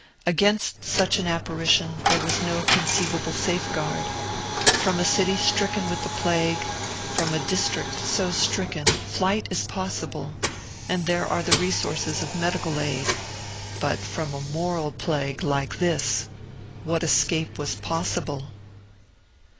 Against such an apparition there was no conceivable safeguard. From a city stricken with the plague, from a district so stricken, flight is possible, and there are the resources of medical aid. But from a moral plague like this, what escape was possible?